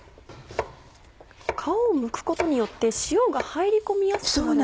皮をむくことによって塩が入り込みやすくなる。